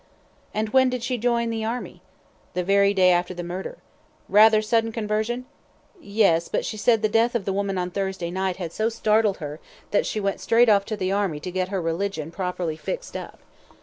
"And when did she join the Army?" "The very day after the murder." "Rather sudden conversion?" "Yes, but she said the death of the woman on Thursday night had so startled her, that she went straight off to the Army to get her religion properly fixed up."